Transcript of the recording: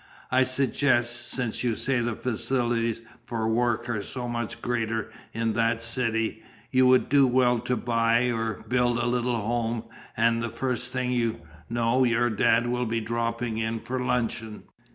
I suggest, since you say the facilities for work are so much greater in that city, you would do well to buy or build a little home; and the first thing you know, your dad will be dropping in for a luncheon.